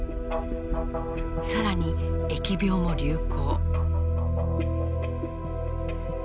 更に疫病も流行。